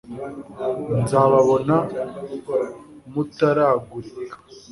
nzababona mutaragulika